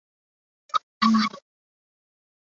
圣科斯米是葡萄牙波尔图区的一个堂区。